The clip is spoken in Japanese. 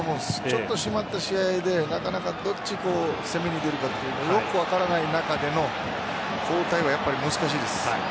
ちょっと締まった試合でなかなかどっちが攻めに出るかがよく分からない中での交代は難しいです。